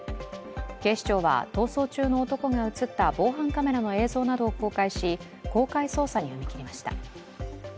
警視庁は逃走中の男が映った防犯カメラの映像などを公開し公開捜査に踏み切りました。